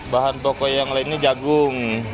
bahan toko yang lainnya jagung